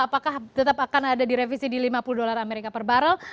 apakah tetap akan ada direvisi di lima puluh dolar amerika per barrel